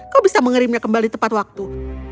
kau bisa mengerimnya kembali tepat waktu